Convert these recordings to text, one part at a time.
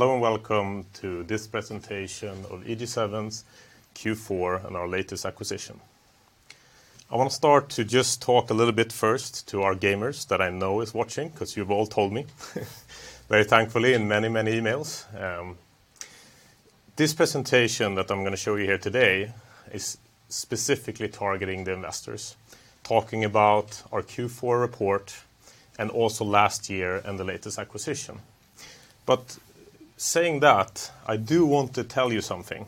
Hello, welcome to this presentation of EG7's Q4 and our latest acquisition. I want to start to just talk a little bit first to our gamers that I know is watching because you've all told me. Very thankfully in many, many emails. This presentation that I'm going to show you here today is specifically targeting the investors, talking about our Q4 report, and also last year and the latest acquisition. Saying that, I do want to tell you something,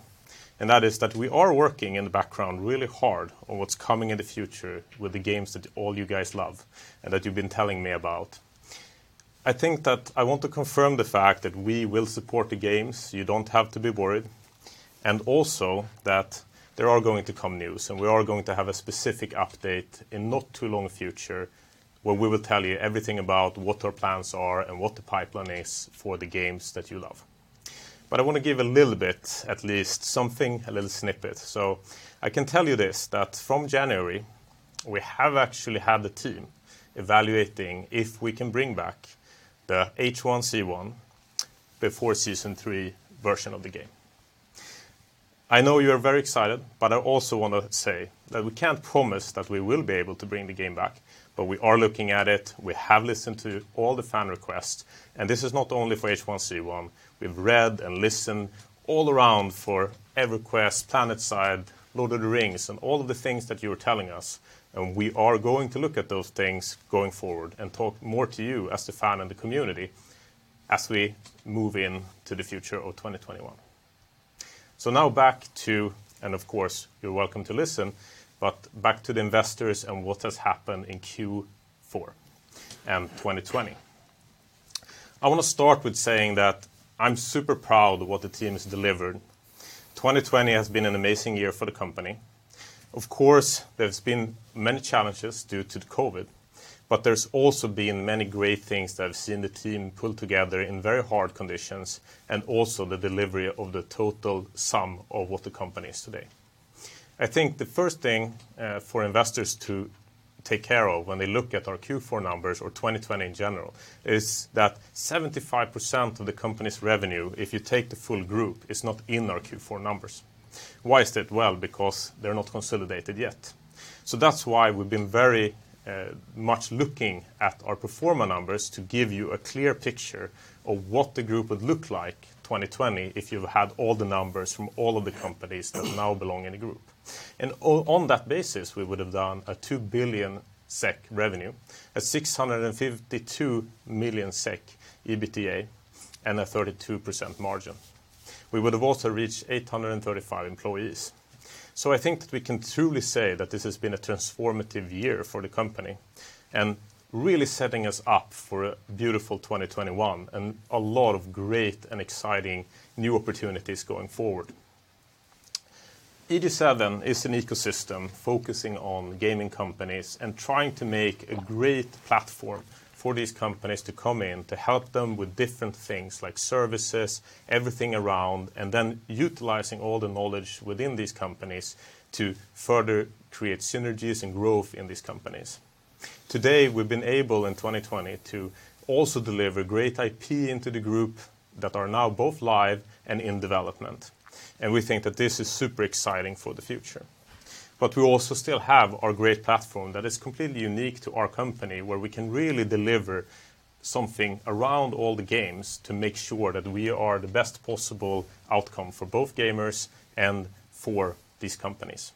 and that is that we are working in the background really hard on what's coming in the future with the games that all you guys love and that you've been telling me about. I think that I want to confirm the fact that we will support the games. You don't have to be worried. Also, there are going to come news. We are going to have a specific update in not too long future where we will tell you everything about what our plans are and what the pipeline is for the games that you love. I want to give a little bit, at least something, a little snippet. I can tell you this, that from January, we have actually had the team evaluating if we can bring back the H1Z1 before Season 3 version of the game. I know you're very excited. I also want to say that we can't promise that we will be able to bring the game back. We are looking at it. We have listened to all the fan requests. This is not only for H1Z1. We've read and listened all around for EverQuest, PlanetSide, Lord of the Rings, and all of the things that you are telling us, and we are going to look at those things going forward and talk more to you as the fan and the community as we move into the future of 2021. Now back to, and of course, you're welcome to listen, but back to the investors and what has happened in Q4 and 2020. I want to start with saying that I'm super proud of what the team has delivered. 2020 has been an amazing year for the company. Of course, there's been many challenges due to the COVID, but there's also been many great things that I've seen the team pull together in very hard conditions, and also the delivery of the total sum of what the company is today. I think the first thing for investors to take care of when they look at our Q4 numbers or 2020 in general is that 75% of the company's revenue, if you take the full group, is not in our Q4 numbers. Why is that? Well, because they're not consolidated yet. That's why we've been very much looking at our pro forma numbers to give you a clear picture of what the group would look like 2020 if you had all the numbers from all of the companies that now belong in the group. On that basis, we would have done a 2 billion SEK revenue, a 652 million SEK EBITDA, and a 32% margin. We would have also reached 835 employees. I think that we can truly say that this has been a transformative year for the company and really setting us up for a beautiful 2021 and a lot of great and exciting new opportunities going forward. EG7 is an ecosystem focusing on gaming companies and trying to make a great platform for these companies to come in to help them with different things like services, everything around, and then utilizing all the knowledge within these companies to further create synergies and growth in these companies. Today, we've been able in 2020 to also deliver great IP into the group that are now both live and in development, we think that this is super exciting for the future. We also still have our great platform that is completely unique to our company, where we can really deliver something around all the games to make sure that we are the best possible outcome for both gamers and for these companies.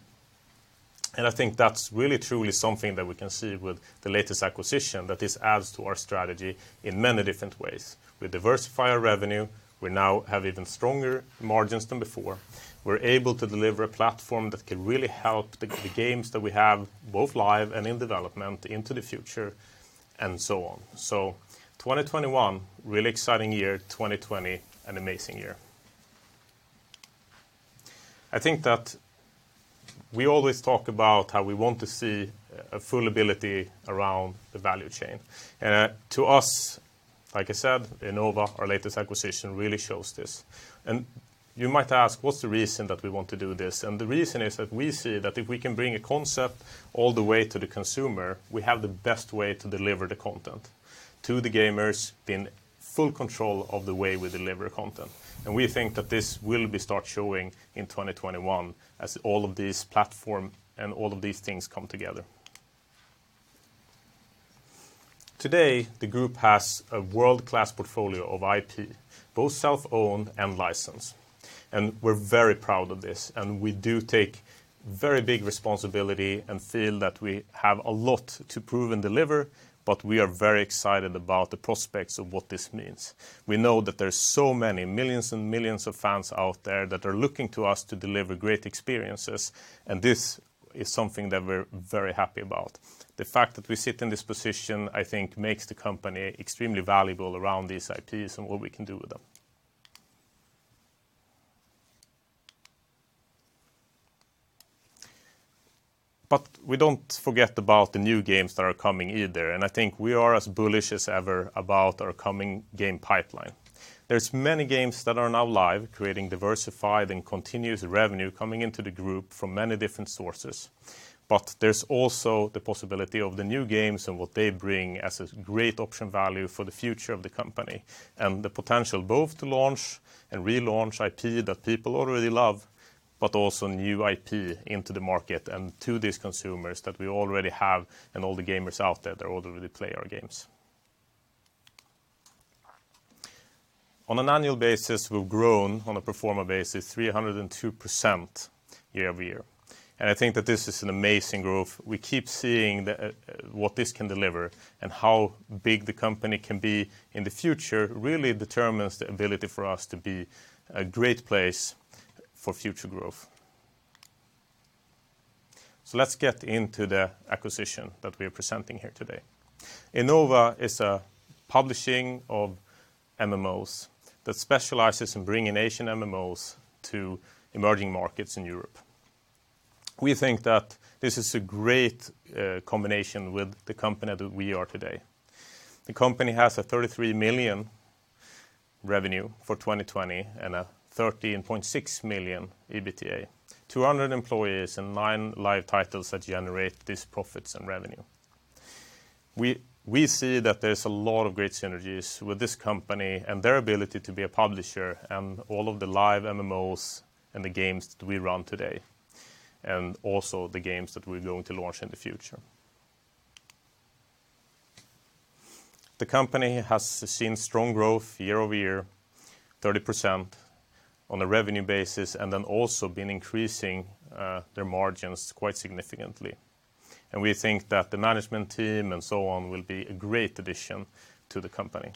I think that's really, truly something that we can see with the latest acquisition, that this adds to our strategy in many different ways. We diversify our revenue. We now have even stronger margins than before. We're able to deliver a platform that can really help the games that we have, both live and in development into the future and so on. 2021, really exciting year. 2020, an amazing year. I think that we always talk about how we want to see a full ability around the value chain. To us, like I said, Innova, our latest acquisition, really shows this. You might ask, what's the reason that we want to do this? The reason is that we see that if we can bring a concept all the way to the consumer, we have the best way to deliver the content to the gamers in full control of the way we deliver content. We think that this will be start showing in 2021 as all of these platform and all of these things come together. Today, the group has a world-class portfolio of IP, both self-owned and licensed. We're very proud of this, and we do take very big responsibility and feel that we have a lot to prove and deliver, but we are very excited about the prospects of what this means. We know that there's so many, millions and millions of fans out there that are looking to us to deliver great experiences, and this is something that we're very happy about. The fact that we sit in this position, I think makes the company extremely valuable around these IPs and what we can do with them. We don't forget about the new games that are coming either, and I think we are as bullish as ever about our coming game pipeline. There's many games that are now live, creating diversified and continuous revenue coming into the group from many different sources. There's also the possibility of the new games and what they bring as a great option value for the future of the company, and the potential both to launch and relaunch IP that people already love, but also new IP into the market and to these consumers that we already have and all the gamers out there that already play our games. On an annual basis, we've grown on a pro forma basis 302% year-over-year, and I think that this is an amazing growth. We keep seeing what this can deliver and how big the company can be in the future really determines the ability for us to be a great place for future growth. Let's get into the acquisition that we're presenting here today. Innova is a publisher of MMOs that specializes in bringing Asian MMOs to emerging markets in Europe. We think that this is a great combination with the company that we are today. The company has a 33 million revenue for 2020 and a 13.6 million EBITDA, 200 employees and nine live titles that generate these profits and revenue. We see that there's a lot of great synergies with this company and their ability to be a publisher and all of the live MMOs and the games that we run today, and also the games that we're going to launch in the future. The company has seen strong growth year-over-year, 30% on a revenue basis, and then also been increasing their margins quite significantly. We think that the management team and so on will be a great addition to the company.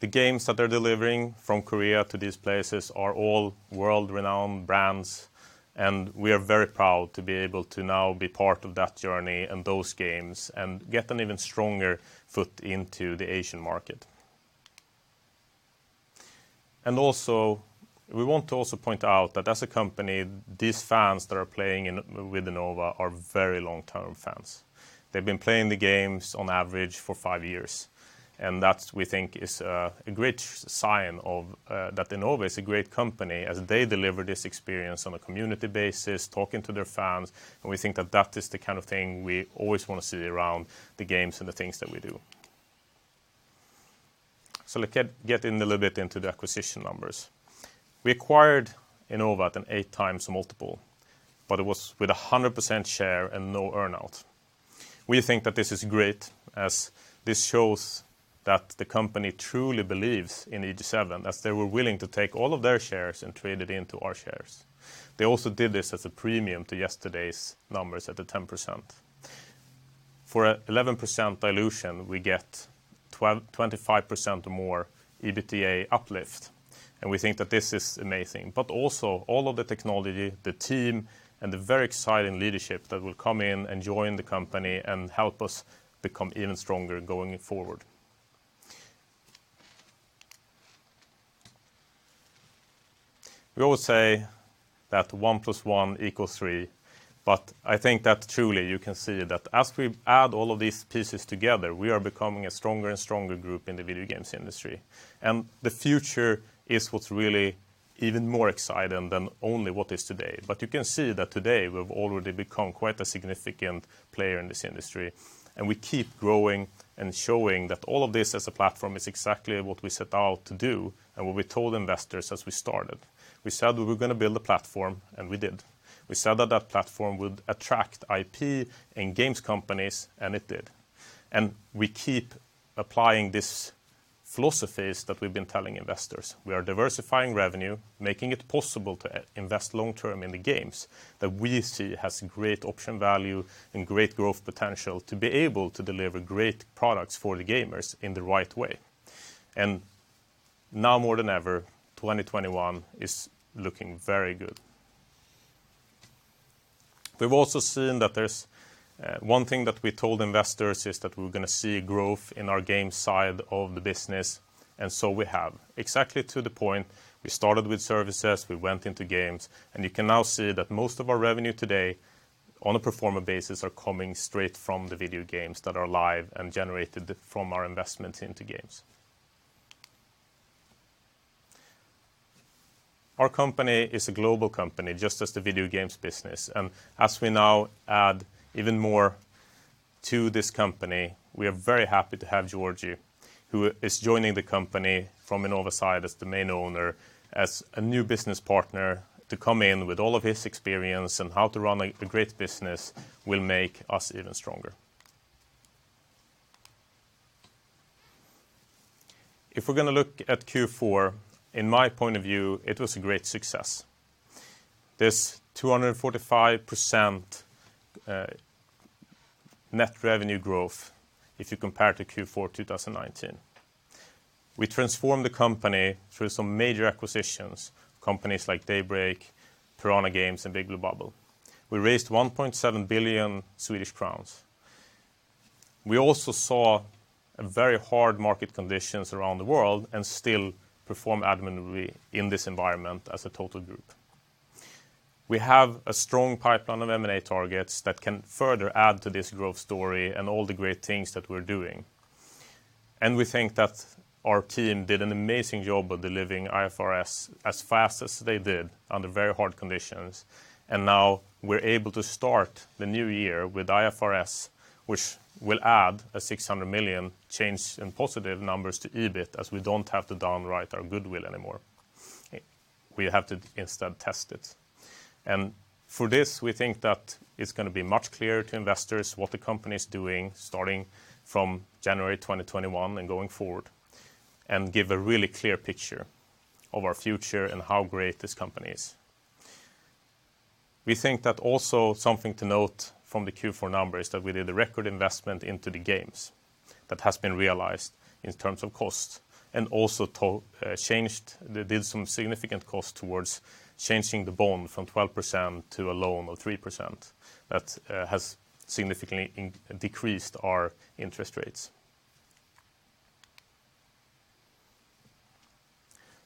The games that they're delivering from Korea to these places are all world-renowned brands, and we are very proud to be able to now be part of that journey and those games and get an even stronger foot into the Asian market. Also, we want to also point out that as a company, these fans that are playing with Innova are very long-term fans. They've been playing the games on average for five years, and that, we think is a great sign that Innova is a great company as they deliver this experience on a community basis, talking to their fans, and we think that that is the kind of thing we always want to see around the games and the things that we do. Let's get in a little bit into the acquisition numbers. We acquired Innova at an 8x multiple, but it was with 100% share and no earn-out. We think that this is great as this shows that the company truly believes in EG7, as they were willing to take all of their shares and trade it into our shares. They also did this as a premium to yesterday's numbers at the 10%. For 11% dilution, we get 25% more EBITDA uplift, and we think that this is amazing. Also all of the technology, the team, and the very exciting leadership that will come in and join the company and help us become even stronger going forward. We always say that one plus one equals three, but I think that truly you can see that as we add all of these pieces together, we are becoming a stronger and stronger group in the video games industry. The future is what's really even more exciting than only what is today. You can see that today, we've already become quite a significant player in this industry, and we keep growing and showing that all of this as a platform is exactly what we set out to do and what we told investors as we started. We said we were going to build a platform, and we did. We said that that platform would attract IP and games companies, and it did. We keep applying these philosophies that we've been telling investors. We are diversifying revenue, making it possible to invest long-term in the games that we see has great option value and great growth potential to be able to deliver great products for the gamers in the right way. Now more than ever, 2021 is looking very good. We've also seen that there's one thing that we told investors is that we're going to see growth in our game side of the business, and so we have. Exactly to the point, we started with services, we went into games. You can now see that most of our revenue today on a pro forma basis are coming straight from the video games that are live and generated from our investments into games. Our company is a global company, just as the video games business. As we now add even more to this company, we are very happy to have Georgy, who is joining the company from Innova side as the main owner, as a new business partner to come in with all of his experience and how to run a great business will make us even stronger. If we're going to look at Q4, in my point of view, it was a great success. There's 245% net revenue growth if you compare to Q4 2019. We transformed the company through some major acquisitions, companies like Daybreak, Piranha Games, and Big Blue Bubble. We raised 1.7 billion Swedish crowns. We also saw very hard market conditions around the world, and still performed admirably in this environment as a total group. We have a strong pipeline of M&A targets that can further add to this growth story and all the great things that we're doing. We think that our team did an amazing job of delivering IFRS as fast as they did under very hard conditions. Now we're able to start the new year with IFRS, which will add a 600 million change in positive numbers to EBIT, as we don't have to downwrite our goodwill anymore. We have to instead test it. For this, we think that it's going to be much clearer to investors what the company's doing starting from January 2021 and going forward, and give a really clear picture of our future and how great this company is. We think that also something to note from the Q4 numbers, that we did a record investment into the games that has been realized in terms of cost, and also did some significant cost towards changing the bond from 12% to a loan of 3%. That has significantly decreased our interest rates.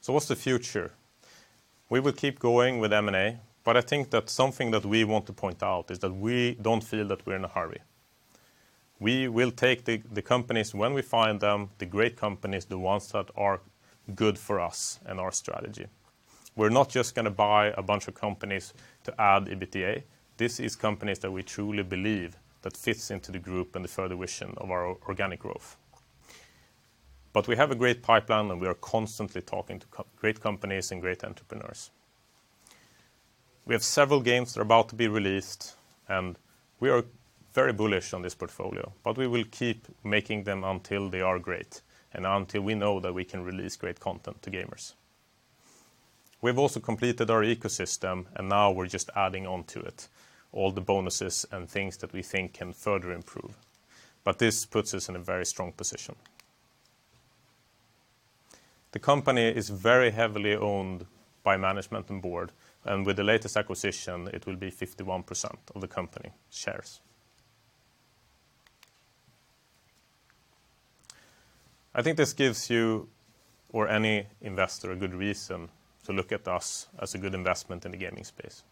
What's the future? We will keep going with M&A, but I think that something that we want to point out is that we don't feel that we're in a hurry. We will take the companies when we find them, the great companies, the ones that are good for us and our strategy. We're not just going to buy a bunch of companies to add EBITDA. This is companies that we truly believe that fits into the group and the further vision of our organic growth. We have a great pipeline, and we are constantly talking to great companies and great entrepreneurs. We have several games that are about to be released, and we are very bullish on this portfolio. We will keep making them until they are great, and until we know that we can release great content to gamers. We've also completed our ecosystem, and now we're just adding onto it all the bonuses and things that we think can further improve. This puts us in a very strong position. The company is very heavily owned by management and board, and with the latest acquisition, it will be 51% of the company shares. I think this gives you or any investor a good reason to look at us as a good investment in the gaming space.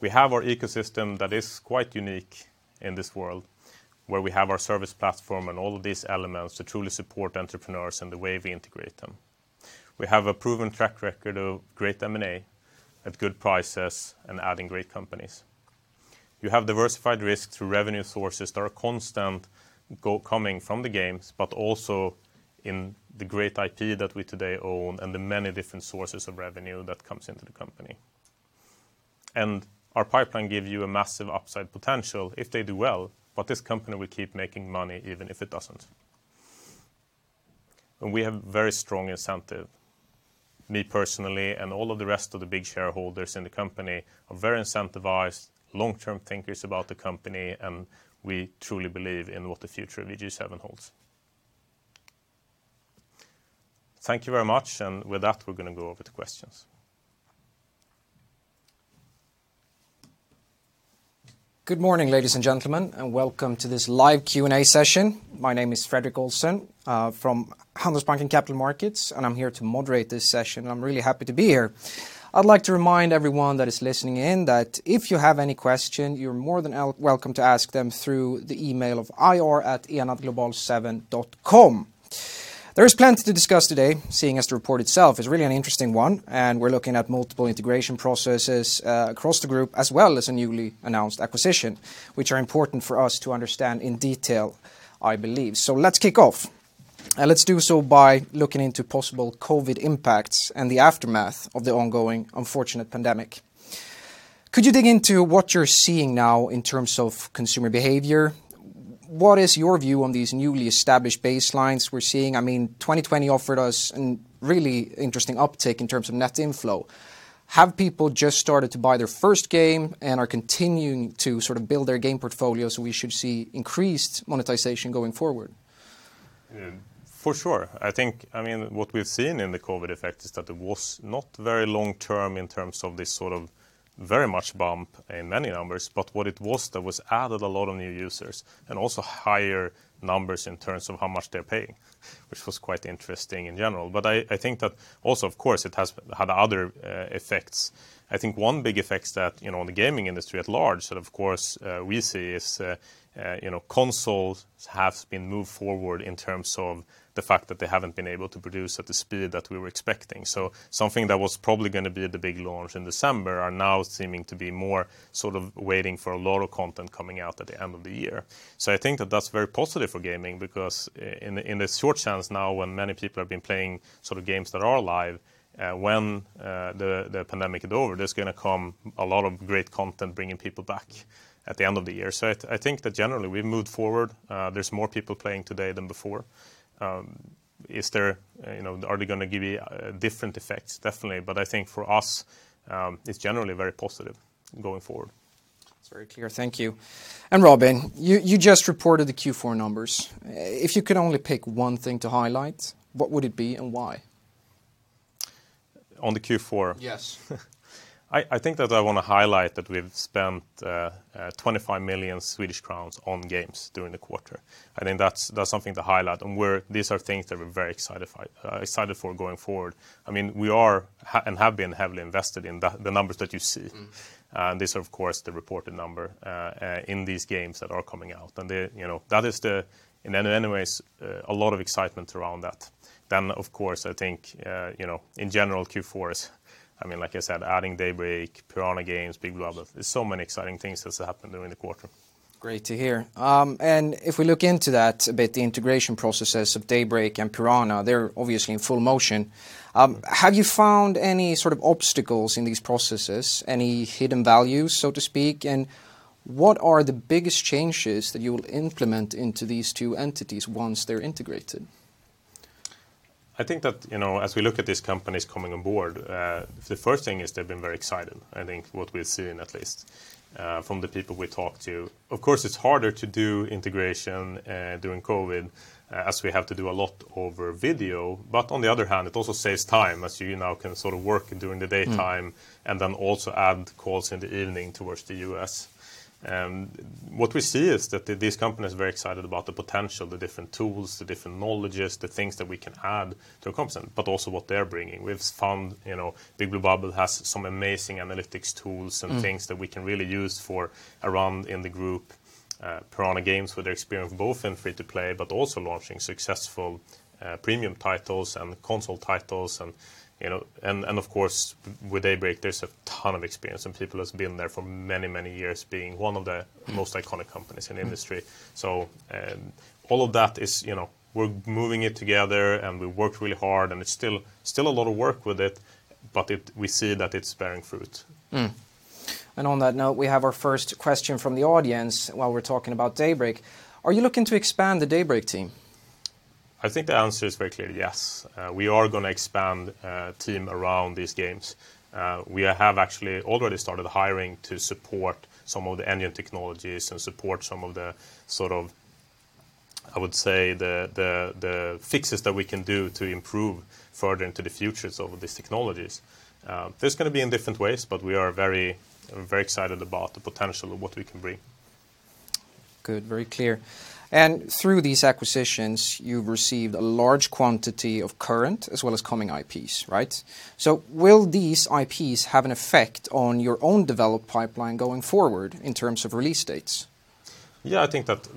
We have our ecosystem that is quite unique in this world, where we have our service platform and all of these elements to truly support entrepreneurs in the way we integrate them. We have a proven track record of great M&A at good prices and adding great companies. You have diversified risk through revenue sources that are constant, coming from the games, but also in the great IP that we today own and the many different sources of revenue that comes into the company. Our pipeline give you a massive upside potential if they do well, but this company will keep making money even if it doesn't. We have very strong incentive. Me personally, and all of the rest of the big shareholders in the company are very incentivized, long-term thinkers about the company, and we truly believe in what the future of EG7 holds. Thank you very much, and with that, we're going to go over to questions. Good morning, ladies and gentlemen, and welcome to this live Q&A session. My name is Fredrik Olsson from Handelsbanken Capital Markets, and I'm here to moderate this session, and I'm really happy to be here. I'd like to remind everyone that is listening in that if you have any questions, you're more than welcome to ask them through the email of ir@enadglobal7.com. There is plenty to discuss today, seeing as the report itself is really an interesting one, and we're looking at multiple integration processes across the group, as well as a newly announced acquisition, which are important for us to understand in detail, I believe. Let's kick off, and let's do so by looking into possible COVID impacts and the aftermath of the ongoing unfortunate pandemic. Could you dig into what you're seeing now in terms of consumer behavior? What is your view on these newly established baselines we're seeing? I mean, 2020 offered us a really interesting uptick in terms of net inflow. Have people just started to buy their first game and are continuing to build their game portfolio, so we should see increased monetization going forward? For sure. I think what we've seen in the COVID effect is that it was not very long-term in terms of this very much bump in many numbers. What it was, that was added a lot of new users, and also higher numbers in terms of how much they're paying, which was quite interesting in general. I think that also, of course, it has had other effects. I think one big effect is that in the gaming industry at large, and of course we see is consoles have been moved forward in terms of the fact that they haven't been able to produce at the speed that we were expecting. Something that was probably going to be the big launch in December are now seeming to be more waiting for a lot of content coming out at the end of the year. I think that that's very positive for gaming because in the short channels now, when many people have been playing games that are live, when the pandemic is over, there's going to come a lot of great content bringing people back at the end of the year. I think that generally we've moved forward. There's more people playing today than before. Is there, are they going to give you different effects? Definitely. I think for us, it's generally very positive going forward. It's very clear. Thank you. Robin, you just reported the Q4 numbers. If you could only pick one thing to highlight, what would it be and why? On the Q4? Yes. I think that I want to highlight that we've spent 25 million Swedish crowns on games during the quarter. I think that's something to highlight, and these are things that we're very excited for going forward. We are and have been heavily invested in the numbers that you see. This of course, the reported number in these games that are coming out. Anyways, a lot of excitement around that. Of course, I think, in general, Q4 is, like I said, adding Daybreak, Piranha Games, Big Blue Bubble. There's so many exciting things that's happened during the quarter. Great to hear. If we look into that a bit, the integration processes of Daybreak and Piranha, they're obviously in full motion. Have you found any sort of obstacles in these processes? Any hidden values, so to speak, and what are the biggest changes that you'll implement into these two entities once they're integrated? I think that, as we look at these companies coming on board, the first thing is they've been very excited. I think what we're seeing at least, from the people we talk to. Of course, it's harder to do integration during COVID, as we have to do a lot over video. On the other hand, it also saves time as you now can sort of work during the daytime. Also add calls in the evening towards the U.S. What we see is that these companies are very excited about the potential, the different tools, the different knowledges, the things that we can add to a comp set, but also what they're bringing. We've found Big Blue Bubble has some amazing analytics tools and things that we can really use for around in the group. Piranha Games with their experience both in free to play, but also launching successful premium titles and console titles and of course with Daybreak there's a ton of experience and people that's been there for many, many years being one of the most iconic company in the industry. All of that is we're moving it together and we worked really hard and it's still a lot of work with it, but we see that it's bearing fruit. On that note, we have our first question from the audience while we're talking about Daybreak. Are you looking to expand the Daybreak team? I think the answer is very clear, yes. We are going to expand team around these games. We have actually already started hiring to support some of the engine technologies and support some of the, I would say the fixes that we can do to improve further into the futures of these technologies. There's going to be in different ways, but we are very excited about the potential of what we can bring. Good. Very clear. Through these acquisitions you've received a large quantity of current as well as coming IPs, right? Will these IPs have an effect on your own develop pipeline going forward in terms of release dates? Yeah, I think that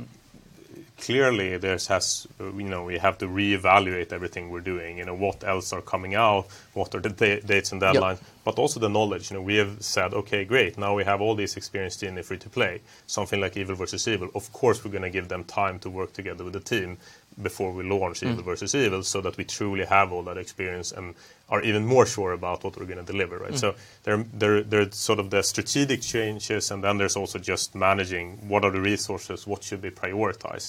clearly we have to reevaluate everything we're doing. What else are coming out? What are the dates and deadlines? Yep. Also the knowledge. We have said, "Okay, great. Now we have all this experience in the free to play." Something like EvilvEvil, of course we're going to give them time to work together with the team before we launch. EvilvEvil so that we truly have all that experience and are even more sure about what we're going to deliver, right? There are sort of the strategic changes, and then there's also just managing what are the resources, what should we prioritize?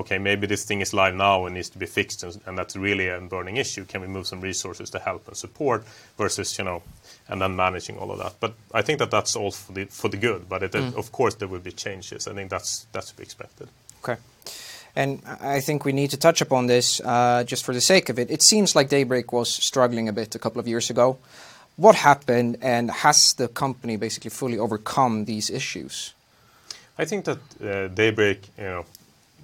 Okay, maybe this thing is live now and needs to be fixed and that's really a burning issue. Can we move some resources to help and support versus and then managing all of that. I think that that's all for the good. Of course there will be changes. I think that's to be expected. Okay. I think we need to touch upon this, just for the sake of it. It seems like Daybreak was struggling a bit a couple of years ago. What happened and has the company basically fully overcome these issues? I think that Daybreak,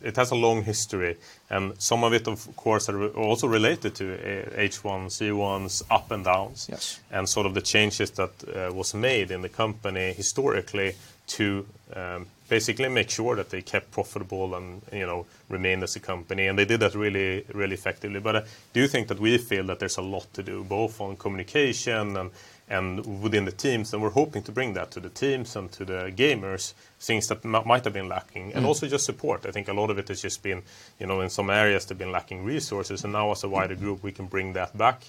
it has a long history and some of it of course, are also related to H1Z1's ups and downs. Yes. Sort of the changes that was made in the company historically to basically make sure that they kept profitable and remained as a company, and they did that really, really effectively. I do think that we feel that there's a lot to do both on communication and within the teams, and we're hoping to bring that to the teams and to the gamers, things that might have been lacking. Also just support. I think a lot of it has just been in some areas they've been lacking resources, and now as a wider group, we can bring that back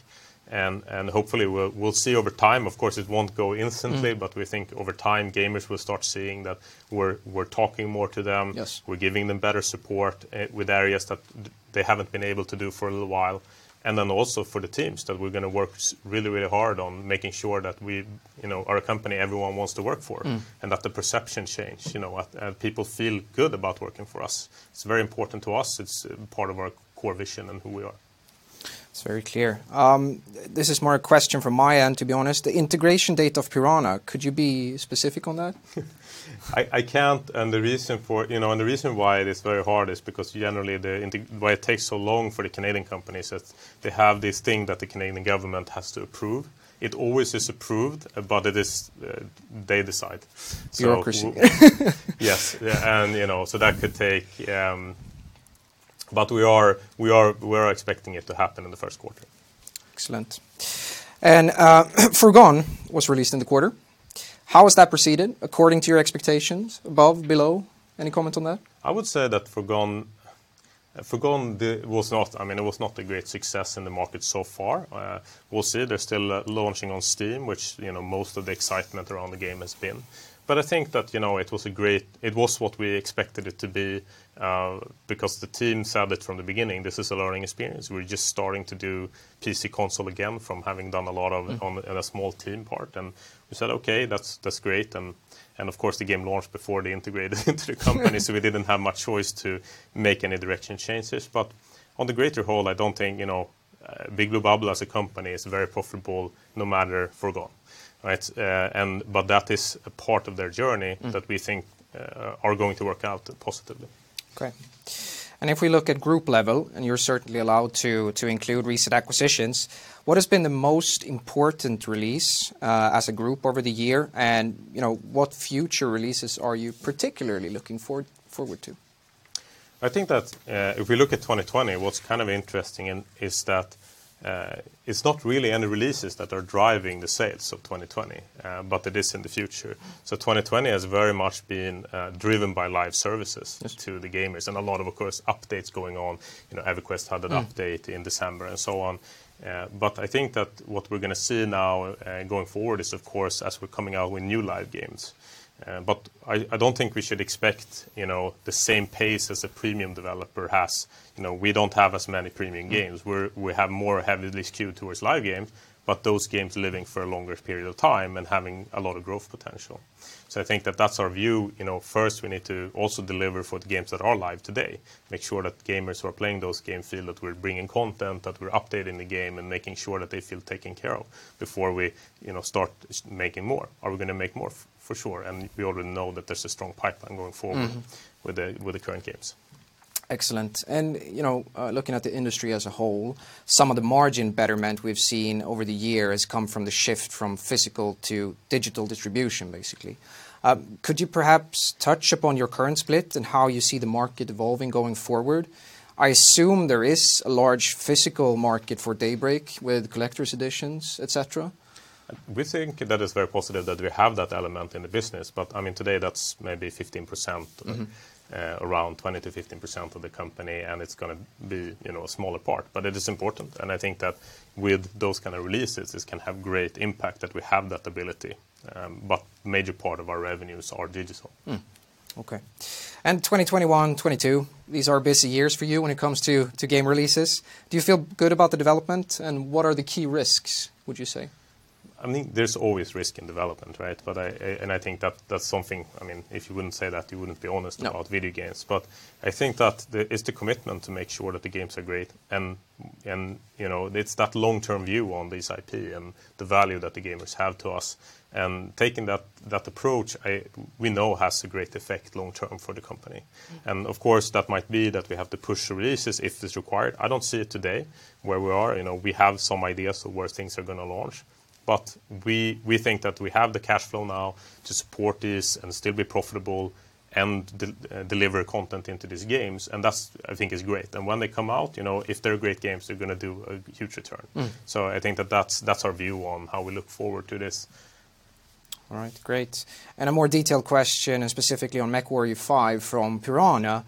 and hopefully we'll see over time, of course it won't go instantly. We think over time gamers will start seeing that we're talking more to them. Yes. We're giving them better support with areas that they haven't been able to do for a little while. Also for the teams that we're going to work really, really hard on making sure that we are a company everyone wants to work for. That the perception change. People feel good about working for us. It's very important to us. It's part of our core vision and who we are. It's very clear. This is more a question from my end, to be honest. The integration date of Piranha, could you be specific on that? I can't, and the reason why it is very hard is because generally why it takes so long for the Canadian companies is they have this thing that the Canadian government has to approve. It always is approved, but they decide. Bureaucracy. Yes. So that could take, we are expecting it to happen in the first quarter. Excellent. Foregone was released in the quarter. How has that proceeded according to your expectations? Above, below? Any comment on that? I would say that Foregone, it was not a great success in the market so far. We'll see. They're still launching on Steam, which most of the excitement around the game has been. I think that it was what we expected it to be because the team said it from the beginning, this is a learning experience. We're just starting to do PC console again from having done a lot on a small team part. We said, "Okay, that's great." Of course, the game launched before they integrated into the company, so we didn't have much choice to make any direction changes. On the greater whole, I don't think Big Blue Bubble as a company is very profitable no matter Foregone. Right? That is a part of their journey that we think are going to work out positively. Okay. If we look at group level, and you’re certainly allowed to include recent acquisitions, what has been the most important release as a group over the year? What future releases are you particularly looking forward to? I think that if we look at 2020, what's kind of interesting is that it's not really any releases that are driving the sales of 2020, but it is in the future. 2020 has very much been driven by live services to the gamers and a lot of course, updates going on. EverQuest had an update in December and so on. I think that what we're going to see now going forward is, of course, as we're coming out with new live games. I don't think we should expect the same pace as a premium developer has. We don't have as many premium games. We have more heavily skewed towards live games, but those games living for a longer period of time and having a lot of growth potential. I think that that's our view. First, we need to also deliver for the games that are live today, make sure that gamers who are playing those games feel that we're bringing content, that we're updating the game, and making sure that they feel taken care of before we start making more. Are we going to make more? For sure, we already know that there's a strong pipeline going forward with the current games. Excellent. Looking at the industry as a whole, some of the margin betterment we've seen over the year has come from the shift from physical to digital distribution, basically. Could you perhaps touch upon your current split and how you see the market evolving going forward? I assume there is a large physical market for Daybreak with collectors' editions, et cetera. We think that it's very positive that we have that element in the business, but today that's maybe 15%. Around 20%-15% of the company, and it's going to be a smaller part. It is important, and I think that with those kind of releases, this can have great impact that we have that ability. Major part of our revenues are digital. Okay. 2021, 2022, these are busy years for you when it comes to game releases. Do you feel good about the development? What are the key risks, would you say? There's always risk in development, right? I think that's something, if you wouldn't say that, you wouldn't be honest– No. –about video games. I think that it's the commitment to make sure that the games are great, and it's that long-term view on this IP and the value that the gamers have to us. Taking that approach, we know has a great effect long-term for the company. Of course, that might be that we have to push the releases if it's required. I don't see it today where we are. We have some ideas of where things are going to launch, but we think that we have the cash flow now to support this and still be profitable and deliver content into these games, and that, I think, is great. When they come out, if they're great games, they're going to do a huge return. I think that that's our view on how we look forward to this. All right. Great. A more detailed question, and specifically on MechWarrior 5 from Piranha.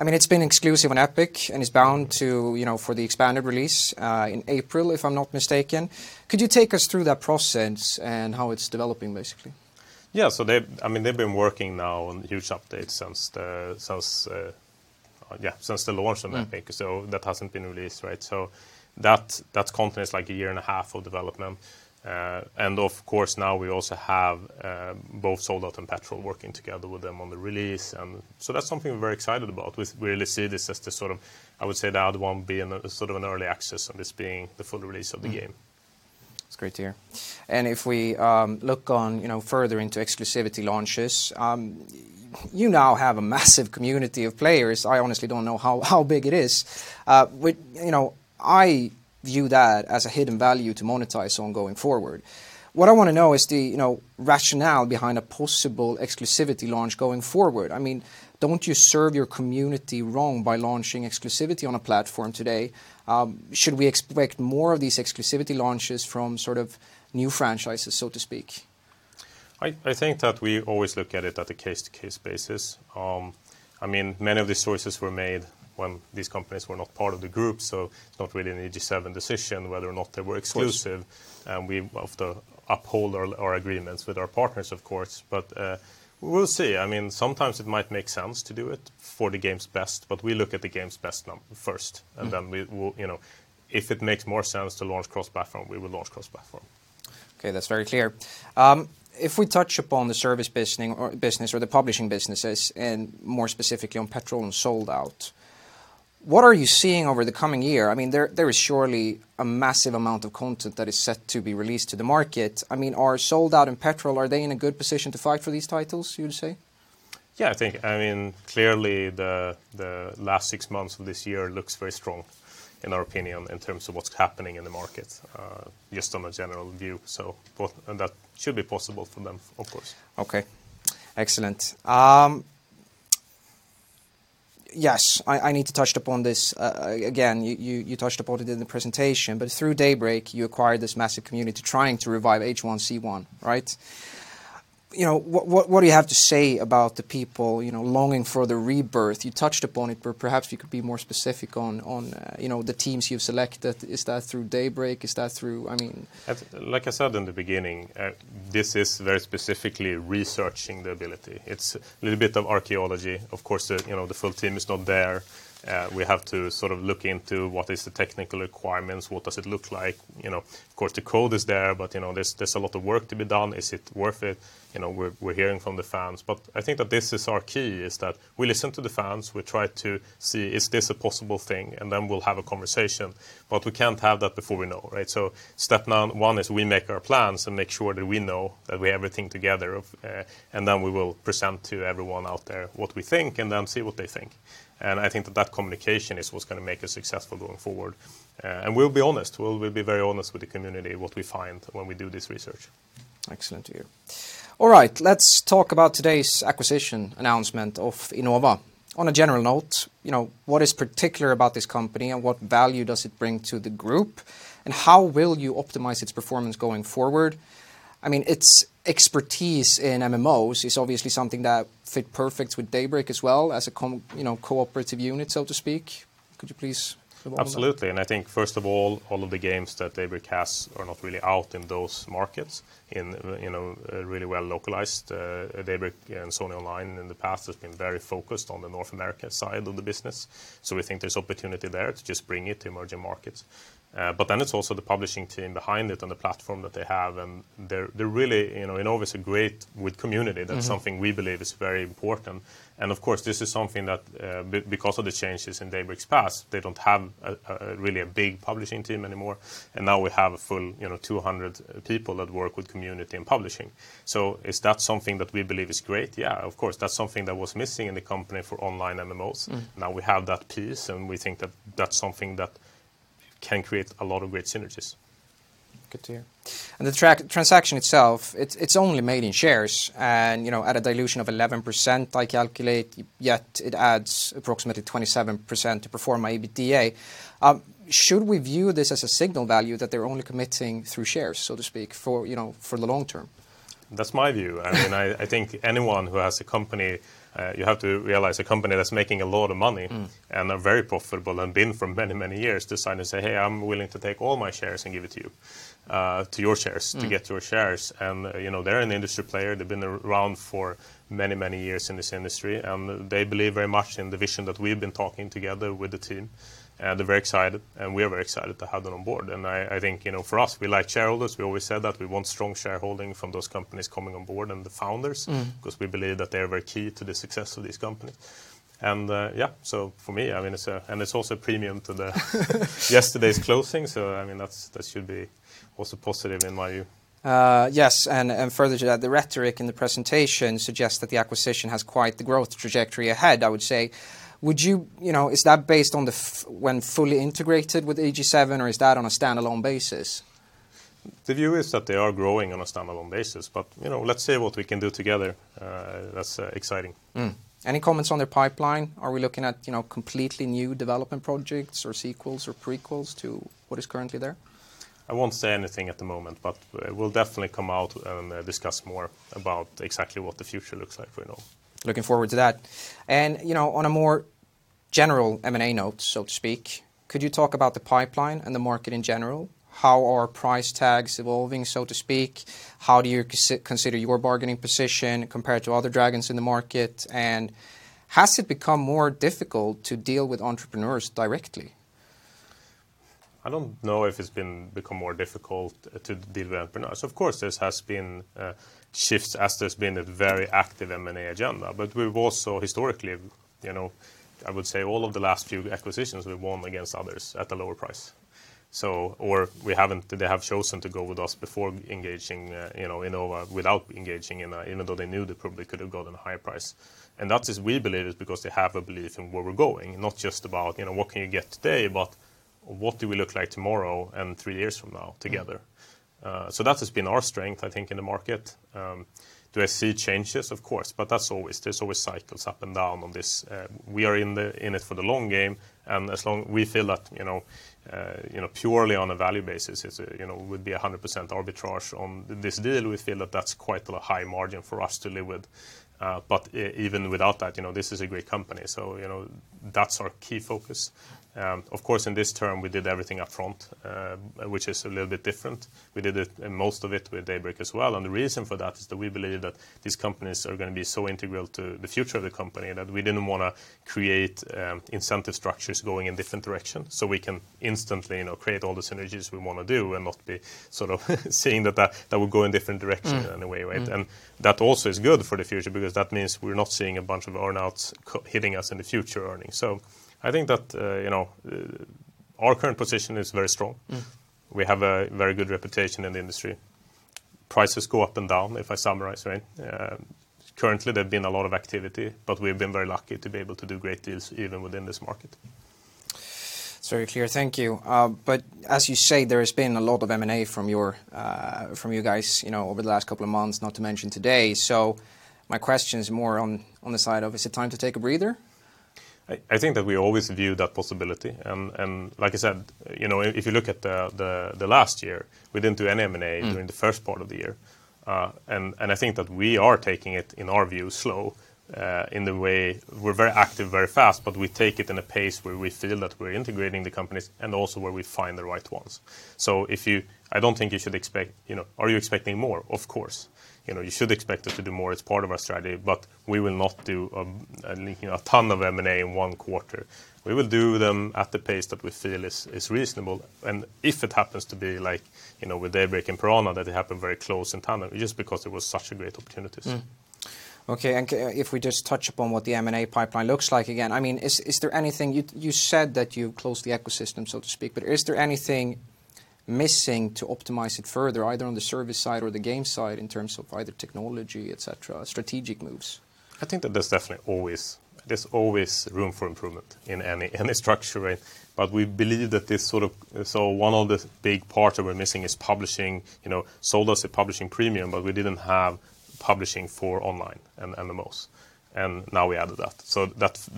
It's been exclusive on Epic and is bound to for the expanded release in April, if I'm not mistaken. Could you take us through that process and how it's developing, basically? Yeah. They've been working now on huge updates since the launch on Epic. That hasn't been released, right? That content is like a year and a half of development. Of course, now we also have both Sold Out and Petrol working together with them on the release and that's something we're very excited about. We really see this as the sort of, I would say, the other one being sort of an early access and this being the full release of the game. Yeah, that's great to hear. If we look on further into exclusivity launches, you now have a massive community of players. I honestly don't know how big it is. I view that as a hidden value to monetize on going forward. What I want to know is the rationale behind a possible exclusivity launch going forward. Don't you serve your community wrong by launching exclusivity on a platform today? Should we expect more of these exclusivity launches from sort of new franchises, so to speak? I think that we always look at it at a case-to-case basis. Many of these choices were made when these companies were not part of the group, so it's not really an EG7 decision whether or not they were exclusive. Of course. We have to uphold our agreements with our partners, of course. We'll see. Sometimes it might make sense to do it for the game's best, but we look at the game's best first. If it makes more sense to launch cross-platform, we will launch cross-platform. Okay, that's very clear. If we touch upon the service business or the publishing businesses, and more specifically on Petrol and Sold Out, what are you seeing over the coming year? There is surely a massive amount of content that is set to be released to the market. Are Sold Out and Petrol, are they in a good position to fight for these titles, you would say? Yeah, I think. Clearly the last six months of this year looks very strong, in our opinion, in terms of what's happening in the market, just on a general view. That should be possible for them, of course. Okay. Excellent. Yes, I need to touch upon this again. You touched upon it in the presentation, but through Daybreak, you acquired this massive community trying to revive H1Z1, right? What do you have to say about the people longing for the rebirth? You touched upon it, but perhaps you could be more specific on the teams you've selected. Is that through Daybreak? Like I said in the beginning, this is very specifically researching the ability. It's a little bit of archaeology. Of course, the full team is not there. We have to look into what is the technical requirements, what does it look like. Of course, the code is there, but there's a lot of work to be done. Is it worth it? We're hearing from the fans. I think that this is our key, is that we listen to the fans, we try to see, is this a possible thing? Then we'll have a conversation. We can't have that before we know. Step one is we make our plans and make sure that we know that we have everything together, and then we will present to everyone out there what we think and then see what they think. I think that communication is what's going to make us successful going forward. We'll be honest. We'll be very honest with the community what we find when we do this research. Excellent to hear. All right. Let's talk about today's acquisition announcement of Innova. On a general note, what is particular about this company and what value does it bring to the group, and how will you optimize its performance going forward? Its expertise in MMOs is obviously something that fit perfect with Daybreak as well as a cooperative unit, so to speak. Could you please elaborate on that? Absolutely, I think, first of all of the games that Daybreak has are not really out in those markets in a really well-localized. Daybreak and Sony Online in the past has been very focused on the North America side of the business. We think there's opportunity there to just bring it to emerging markets. It's also the publishing team behind it and the platform that they have, Innova's great with community. That's something we believe is very important. Of course, this is something that because of the changes in Daybreak's past, they don't have really a big publishing team anymore, and now we have a full 200 people that work with community and publishing. Is that something that we believe is great? Yeah, of course. That's something that was missing in the company for online MMOs. Now we have that piece, and we think that that's something that can create a lot of great synergies. Good to hear. The transaction itself, it's only made in shares and at a dilution of 11%, I calculate, yet it adds approximately 27% to pro forma EBITDA. Should we view this as a signal value that they're only committing through shares, so to speak, for the long term? That's my view. I think anyone who has a company, you have to realize a company that's making a lot of money and are very profitable and been for many, many years to sign and say, "Hey, I'm willing to take all my shares and give it to you, to get your shares. They're an industry player. They've been around for many years in this industry, and they believe very much in the vision that we've been talking together with the team, and they're very excited, and we're very excited to have them on board. I think for us, we like shareholders. We always said that we want strong shareholding from those companies coming on board and the founders. Because we believe that they're very key to the success of this company. Yeah, so for me, and it's also a premium to yesterday's closing, so that should be also positive in my view. Yes, further to that, the rhetoric in the presentation suggests that the acquisition has quite the growth trajectory ahead, I would say. Is that based on the when fully integrated with EG7, or is that on a standalone basis? The view is that they are growing on a standalone basis, but let's see what we can do together. That's exciting. Mm. Any comments on their pipeline? Are we looking at completely new development projects or sequels or prequels to what is currently there? I won't say anything at the moment, but we'll definitely come out and discuss more about exactly what the future looks like for Innova. Looking forward to that. On a more general M&A note, so to speak, could you talk about the pipeline and the market in general? How are price tags evolving, so to speak? How do you consider your bargaining position compared to other dragons in the market? Has it become more difficult to deal with entrepreneurs directly? I don't know if it's become more difficult to deal with entrepreneurs. There has been shifts as there's been a very active M&A agenda. We've also historically, I would say all of the last few acquisitions we've won against others at a lower price. They have chosen to go with us before engaging Innova without engaging, even though they knew they probably could have got a higher price. That is we believe is because they have a belief in where we're going, not just about what can you get today, but what do we look like tomorrow and three years from now together. That has been our strength, I think, in the market. Do I see changes? Of course. There's always cycles up and down on this. We are in it for the long game, and as long we feel that purely on a value basis it would be 100% arbitrage on this deal, we feel that that's quite a high margin for us to live with. Even without that, this is a great company, so that's our key focus. Of course, in this term, we did everything up front, which is a little bit different. We did most of it with Daybreak as well. The reason for that is that we believe that these companies are going to be so integral to the future of the company that we didn't want to create incentive structures going in different directions. We can instantly create all the synergies we want to do and not be sort of seeing that they would go in different directions in a way. That also is good for the future because that means we're not seeing a bunch of earn-outs hitting us in the future earnings. I think that our current position is very strong. We have a very good reputation in the industry. Prices go up and down, if I summarize. Currently, there's been a lot of activity, but we've been very lucky to be able to do great deals even within this market. It's very clear. Thank you. As you say, there has been a lot of M&A from you guys over the last couple of months, not to mention today. My question is more on the side of, is it time to take a breather? I think that we always view that possibility. Like I said, if you look at the last year, we didn't do any M&A during the first part of the year. I think that we are taking it, in our view, slow in the way we're very active very fast, but we take it in a pace where we feel that we're integrating the companies and also where we find the right ones. I don't think you should expect. Are you expecting more? Of course. You should expect us to do more as part of our strategy. We will not do a ton of M&A in one quarter. We will do them at the pace that we feel is reasonable. If it happens to be like with Daybreak and Piranha that they happen very close in time, just because it was such a great opportunities. Okay. If we just touch upon what the M&A pipeline looks like, again. You said that you closed the ecosystem, so to speak. Is there anything missing to optimize it further, either on the service side or the game side in terms of either technology, et cetera, strategic moves? I think that there's definitely always room for improvement in any structure, right? We believe that one of the big parts that we're missing is publishing. Sold Out a publishing premium, we didn't have publishing for online and the most, now we added that.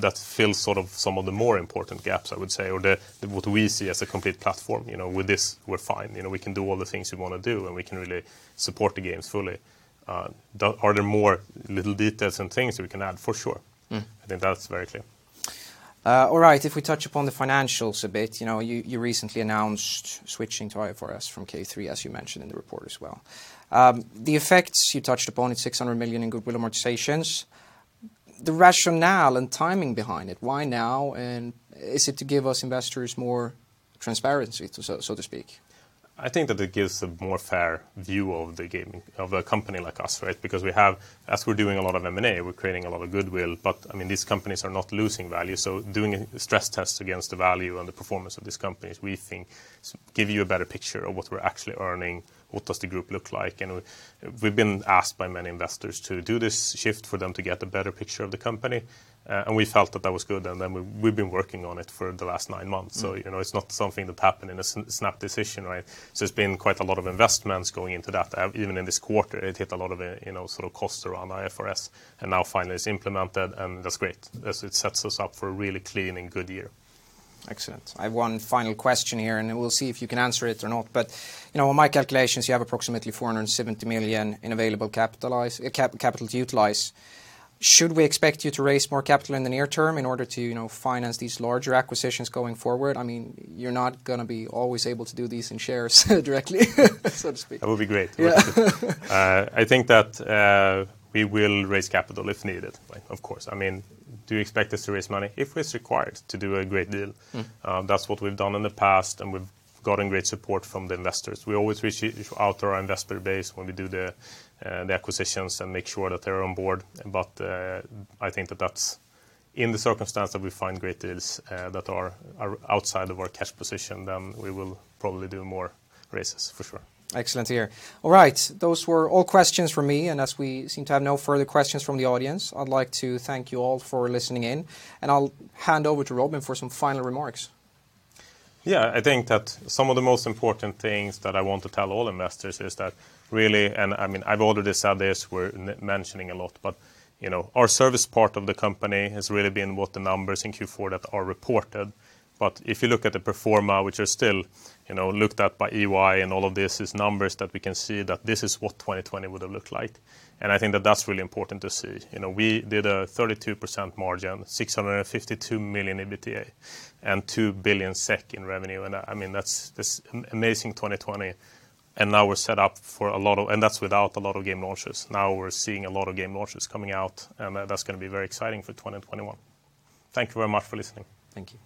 That fills sort of some of the more important gaps, I would say, or what we see as a complete platform. With this, we're fine. We can do all the things we want to do, and we can really support the games fully. Are there more little details and things that we can add? For sure. I think that's very clear. All right. If we touch upon the financials a bit, you recently announced switching to IFRS from Q3, as you mentioned in the report as well. The effects you touched upon, it's 600 million in goodwill amortizations. The rationale and timing behind it, why now, and is it to give us investors more transparency, so to speak? I think that it gives a more fair view of a company like us, right? We have, as we're doing a lot of M&A, we're creating a lot of goodwill. These companies are not losing value, doing a stress test against the value and the performance of these companies, we think give you a better picture of what we're actually earning, what does the group look like? We've been asked by many investors to do this shift for them to get a better picture of the company, and we felt that that was good, we've been working on it for the last nine months. It's not something that happened in a snap decision, right? It's been quite a lot of investments going into that. Even in this quarter, it hit a lot of costs around IFRS, and now finally it's implemented, and that's great, as it sets us up for a really clean and good year. Excellent. I have one final question here. We'll see if you can answer it or not. In my calculations, you have approximately 470 million in available capital to utilize. Should we expect you to raise more capital in the near term in order to finance these larger acquisitions going forward? You're not going to be always able to do these in shares directly, so to speak. That would be great. Yeah. I think that we will raise capital if needed, of course. Do you expect us to raise money? If it's required to do a great deal. That's what we've done in the past, and we've gotten great support from the investors. We always reach out to our investor base when we do the acquisitions and make sure that they're on board. I think that that's in the circumstance that we find great deals that are outside of our cash position, then we will probably do more raises for sure. Excellent to hear. All right. Those were all questions from me, and as we seem to have no further questions from the audience, I'd like to thank you all for listening in, and I'll hand over to Robin for some final remarks. Yeah, I think that some of the most important things that I want to tell all investors is that really, and I've already said this, we're mentioning a lot, but our service part of the company has really been what the numbers in Q4 that are reported. If you look at the pro forma, which are still looked at by EY and all of this, these numbers that we can see that this is what 2020 would have looked like, and I think that that's really important to see. We did a 32% margin, 652 million EBITDA, and 2 billion SEK in revenue, and that's this amazing 2020, and that's without a lot of game launches. Now we're seeing a lot of game launches coming out, and that's going to be very exciting for 2021. Thank you very much for listening. Thank you.